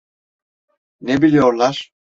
Ne biliyorlar?